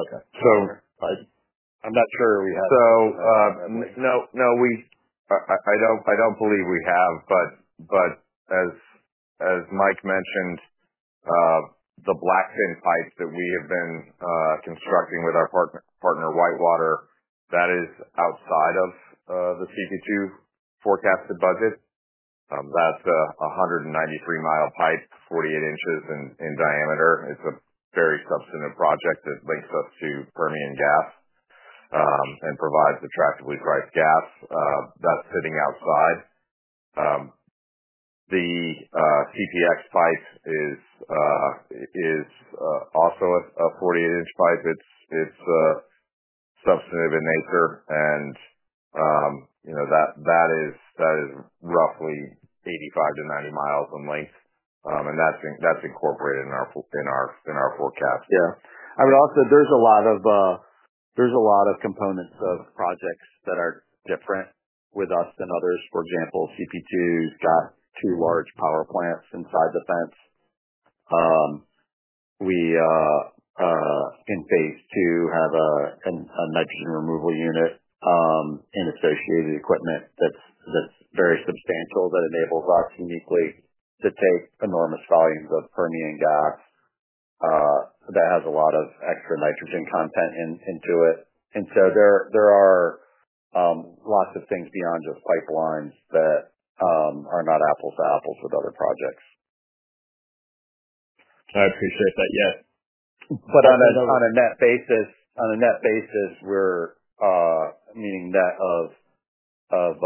Okay. No, I don't believe we have, but as Mike mentioned, the Blackfin pipe that we have been constructing with our partner Whitewater, that is outside of the CP2 forecasted budget. That's a 193-mile pipe, 48 inches in diameter. It's a very substantive project that links us to Permian Gas and provides attractively priced gas. That's sitting outside. The TPX pipe is also a 48-inch pipe. It's substantive in acre, and that is roughly 85-90 mi in length. That's incorporated in our forecast. There are a lot of components of projects that are different with us than others. For example, CP2 has got two large power plants inside the fence. We, in phase two, have a nitrogen removal unit and associated equipment that's very substantial that enables us uniquely to take enormous volumes of Permian Gas that has a lot of extra nitrogen content in it. There are lots of things beyond just pipelines that are not apples to apples with other projects. I appreciate that. On a net basis, meaning net of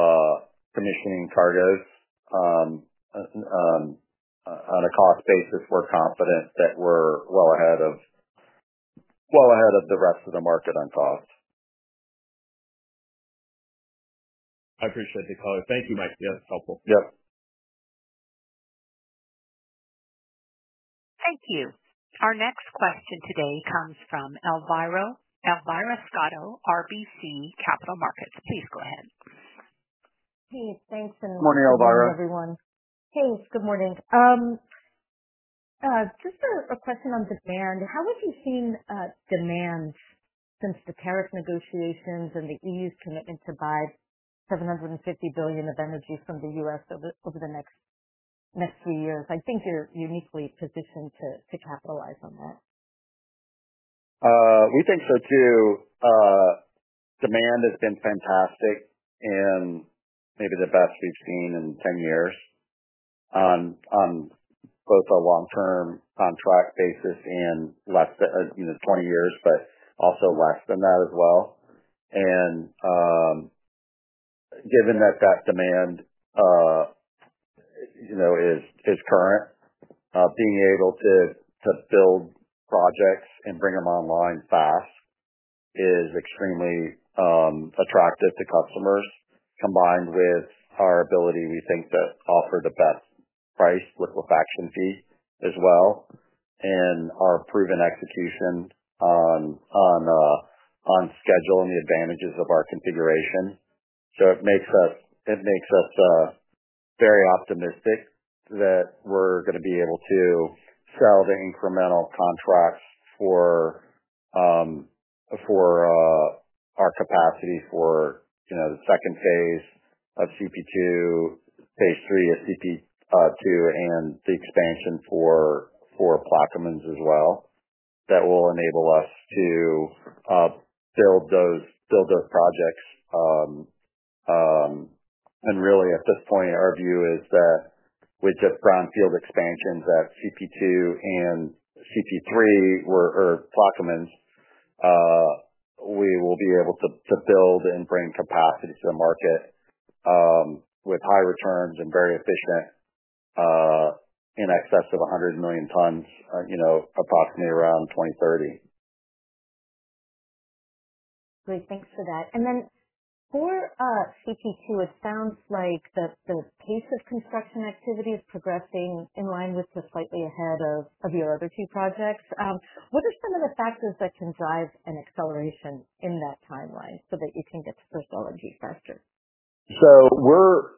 commissioning cargoes, on a cost basis, we're confident that we're well ahead of the rest of the market on cost. I appreciate the call. Thank you, Mike. Yeah, that's helpful. Yep. Thank you. Our next question today comes from Elvira Scotto, RBC Capital Markets. Please go ahead. Hey, thanks. Morning, Elvira. Morning, everyone. Hey, good morning. Just a question on demand. How have you seen demand since the tariff negotiations and the E.U.'s commitment to buy $750 billion of energy from the U.S. over the next few years? I think you're uniquely positioned to capitalize on that. We think so too. Demand has been fantastic and maybe the best we've seen in 10 years on both a long-term contract basis and less than, you know, 20 years, but also less than that as well. Given that demand is current, being able to build projects and bring them online fast is extremely attractive to customers, combined with our ability, we think, to offer the best price liquefaction fee as well and our proven execution on schedule and the advantages of our configuration. It makes us very optimistic that we're going to be able to sell the incremental contracts for our capacity for the second phase of CP2, phase three of CP2, and the expansion for Plaquemines as well that will enable us to build those projects. Really, at this point, our view is that with just brownfield expansions at CP2 and CP3 or Plaquemines, we will be able to build and bring capacity to the market with high returns and very efficient, in excess of 100 million tons, approximately around 2030. Great. Thanks for that. For CP2, it sounds like the pace of construction activity is progressing in line with just slightly ahead of your other two projects. What are some of the factors that can drive an acceleration in that timeline so that you can get to proof LNG faster? We're,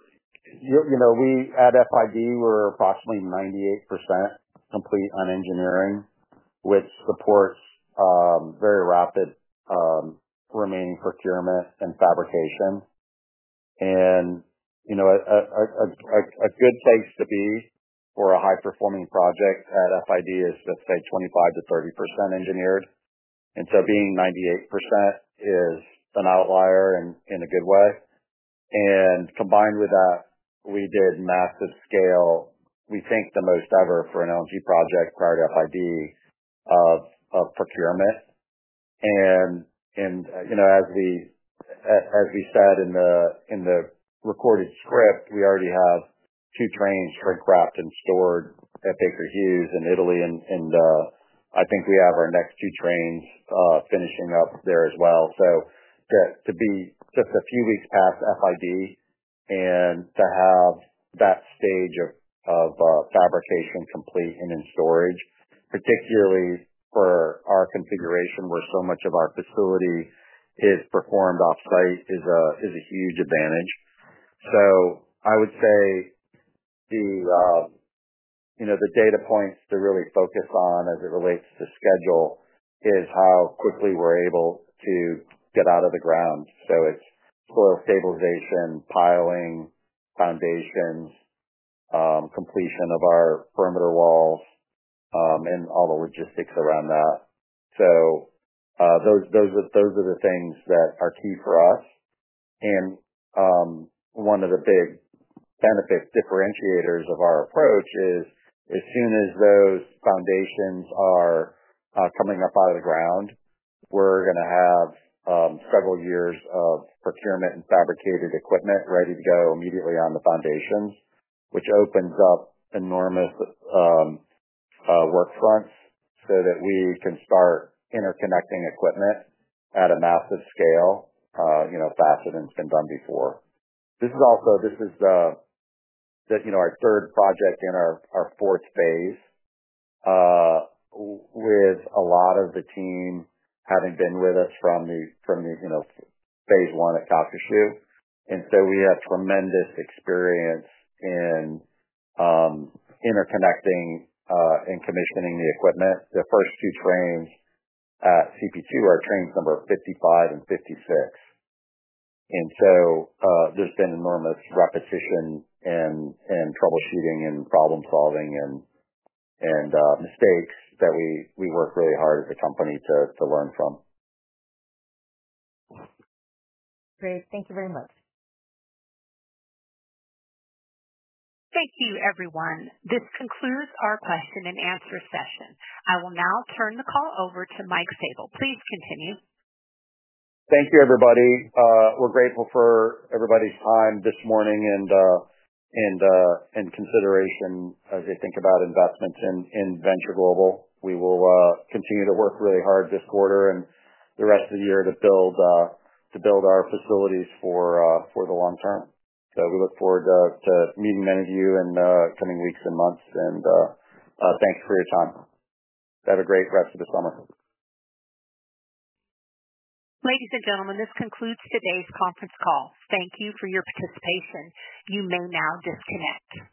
you know, at FID, we're approximately 98% complete on engineering, which supports very rapid remaining procurement and fabrication. A good place to be for a high-performing project at FID is to say 25%-30% engineered. Being 98% is an outlier in a good way. Combined with that, we did massive scale, we think the most ever for an LNG project prior to FID of procurement. As we said in the recorded script, we already have two trains shrink-wrapped and stored at Baker Hughes in Italy. I think we have our next two trains finishing up there as well. To be just a few weeks past FID and to have that stage of fabrication complete and in storage, particularly for our configuration where so much of our facility is performed off-site, is a huge advantage. I would say the data points to really focus on as it relates to schedule is how quickly we're able to get out of the ground. It's soil stabilization, piling, foundations, completion of our perimeter walls, and all the logistics around that. Those are the things that are key for us. One of the big benefits, differentiators of our approach is as soon as those foundations are coming up out of the ground, we're going to have several years of procurement and fabricated equipment ready to go immediately on the foundations, which opens up enormous work fronts so that we can start interconnecting equipment at a massive scale, faster than it's been done before. This is also our third project in our fourth phase, with a lot of the team having been with us from phase one at Calcasieu Pass. We have tremendous experience in interconnecting and commissioning the equipment. The first two trains at CP2 are trains number 55 and 56. There's been enormous repetition and troubleshooting and problem-solving, and mistakes that we work really hard as a company to learn from. Great. Thank you very much. Thank you, everyone. This concludes our question and answer session. I will now turn the call over to Mike Sabel. Please continue. Thank you, everybody. We're grateful for everybody's time this morning and consideration as they think about investments in Venture Global. We will continue to work really hard this quarter and the rest of the year to build our facilities for the long term. We look forward to meeting any of you in the coming weeks and months. Thank you for your time. Have a great rest of the summer. Ladies and gentlemen, this concludes today's conference call. Thank you for your participation. You may now disconnect.